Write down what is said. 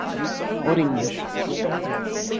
Ourinhos